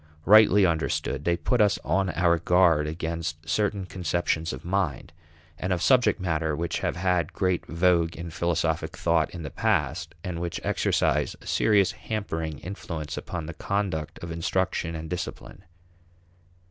Rightly understood, they put us on our guard against certain conceptions of mind and of subject matter which have had great vogue in philosophic thought in the past, and which exercise a serious hampering influence upon the conduct of instruction and discipline.